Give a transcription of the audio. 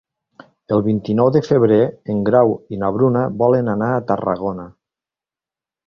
El vint-i-nou de febrer en Grau i na Bruna volen anar a Tarragona.